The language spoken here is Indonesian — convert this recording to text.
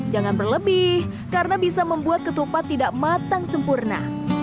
jangan berlebih karena bisa membuat ketupat tidak matang sempurna